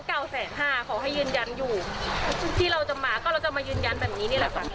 เก้าแสนห้าขอให้ยืนยันอยู่ที่เราจะมาก็เราจะมายืนยันแบบนี้นี่แหละค่ะ